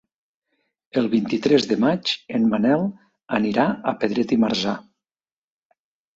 El vint-i-tres de maig en Manel anirà a Pedret i Marzà.